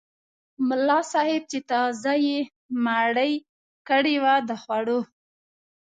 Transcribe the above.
ملا صاحب چې تازه یې مړۍ کړې وه د خوړو.